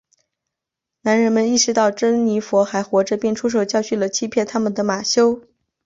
男人们意识到珍妮佛还活着并出手教训了欺骗他们的马修。